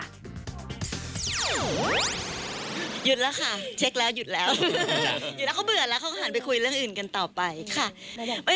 หยุดแล้วค่ะเช็คแล้วหยุดแล้วหยุดแล้วเขาเบื่อแล้วเขาก็หันไปคุยเรื่องอื่นกันต่อไปค่ะ